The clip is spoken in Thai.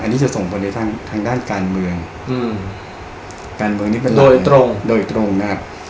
อันนี้จะส่งผลในทางทางด้านการเมืองอืมการเมืองการเมืองนี้เป็นโดยตรงโดยตรงนะครับ